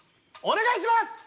お願いします！